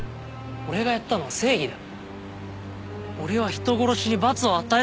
俺がやったのは正義なんだよ！